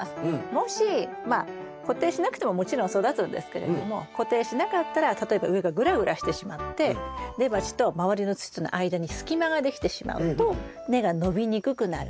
もしまあ固定しなくてももちろん育つんですけれども固定しなかったら例えば上がグラグラしてしまって根鉢と周りの土との間に隙間ができてしまうと根が伸びにくくなる。